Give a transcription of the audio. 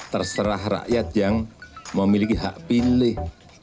terserah rakyat yang memiliki hak pilih